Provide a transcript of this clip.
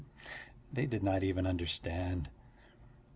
They did not even understand.